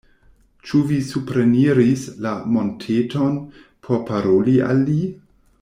Ĉu vi supreniris la monteton por paroli al li?